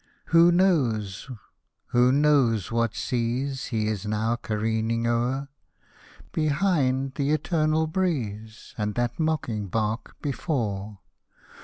Who knows — who knows what seas He is now careering o'er ? Behind, the eternal breeze. And that mocking bark, before